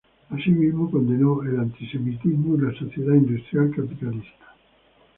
Asimismo, condenó el antisemitismo y la sociedad industrial capitalista.